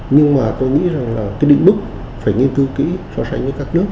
nhưng mà tôi nghĩ rằng là cái định bức phải nghiên cứu kỹ so sánh với các nước